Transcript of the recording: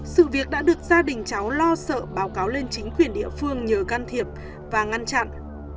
sự việc đã được gia đình cháu lo sợ báo cáo lên chính quyền địa phương nhờ can thiệp và ngăn chặn